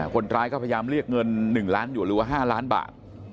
คนร้ายก็พยายามเรียกเงิน๑ล้านอยู่หรือว่า๕ล้านบาท